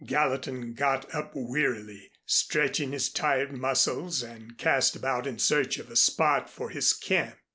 Gallatin got up wearily, stretching his tired muscles and cast about in search of a spot for his camp.